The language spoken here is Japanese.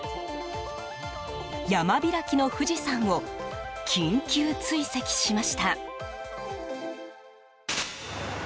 山開きの富士山を緊急追跡しました。